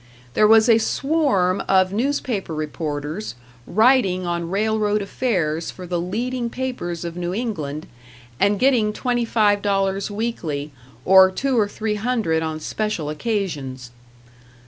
There was a swarm of newspaper reporters, writing on railroad affairs for the leading papers of New England, and getting twenty five dollars weekly, or two or three hundred on special occasions.